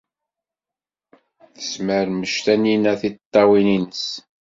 Tesmermec Taninna tiṭṭawin-nnes.